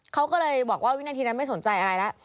เขาก็เลยบอกว่าวินาทีนั้นไม่สนใจอะไรแล้ว